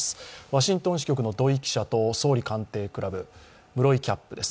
ワシントン支局長の土居記者と総理官邸クラブ、室井キャップです。